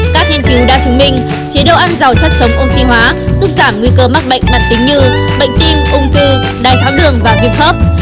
các nghiên cứu đã chứng minh chế độ ăn giàu chất chống oxy hóa giúp giảm nguy cơ mắc bệnh mặt tính như bệnh tim ung tư đai thám đường và viêm khớp